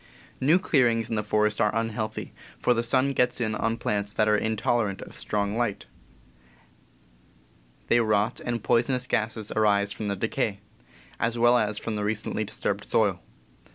New clearings in the forest are unhealthy, for the sun gets in on plants that are intolerant of strong light. 72 CAMPING AND WOODCRAFT they rot, and poisonous gases arise from their decay, as well as from the recently disturbed soil.